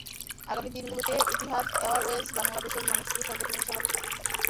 আগামী দিনগুলোতে Etihad Airways বাংলাদেশের মানুষকে সর্বোচ্চ মানের সেবা দিতে সচেষ্ট থাকবে।